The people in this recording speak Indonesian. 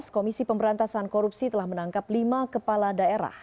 komisi pemberantasan korupsi telah menangkap lima kepala daerah